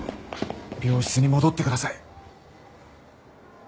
病室に戻ってください！